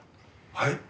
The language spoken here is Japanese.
はい？